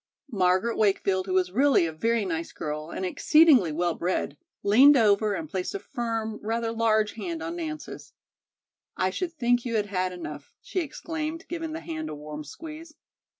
Margaret Wakefield, who was really a very nice girl and exceedingly well bred, leaned over and placed a firm, rather large hand on Nance's. "I should think you had had enough," she exclaimed, giving the hand a warm squeeze.